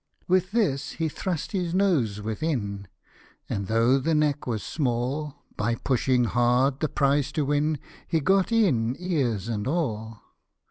With this he thrust his nose within, And, though the neck was small, By pushing hard, the prize to win, He got in ears and all.